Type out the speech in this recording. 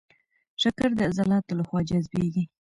شکر د عضلاتو له خوا جذبېږي.